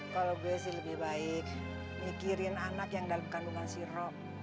kalau gue sih lebih baik mikirin anak yang dalam kandungan sirom